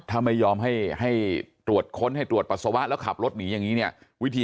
ถ้าไม่ยอมให้ตรวจค้นให้ตรวจปัสสาวะแล้วขับรถหนีอย่างนี้เนี่ยวิธี